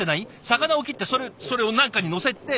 魚を切ってそれを何かにのせて。